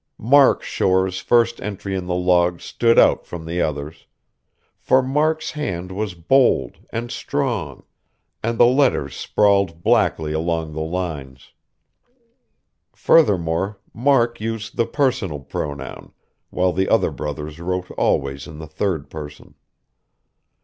Mark Shore's first entry in the Log stood out from the others; for Mark's hand was bold, and strong, and the letters sprawled blackly along the lines. Furthermore, Mark used the personal pronoun, while the other brothers wrote always in the third person.